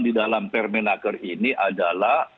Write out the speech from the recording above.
di dalam permenaker ini adalah